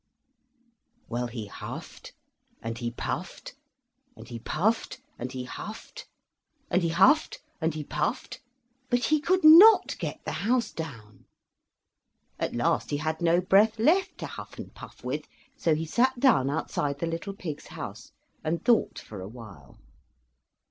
Well, he huffed, and he puffed, and he puffed, and he huffed, and he huffed, and he puffed; but he could not get the house down. At last he had no breath left to huff and puff with, so he sat down outside the little pig's house and thought for awhile.